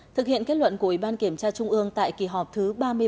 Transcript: thực hiện kết luận của ủy ban kiểm tra trung ương tại kỳ họp thứ ba mươi ba